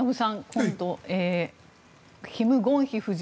今度、キム・ゴンヒ夫人